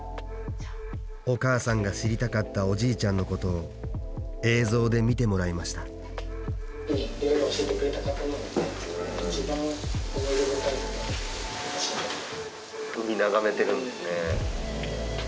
お母さんが知りたかったおじいちゃんのことを映像で見てもらいました「海眺めてるんですね」。